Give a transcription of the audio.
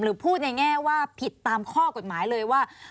พูดในแง่ว่าผิดตามข้อกฎหมายเลยว่า